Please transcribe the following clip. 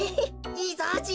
いいぞじい。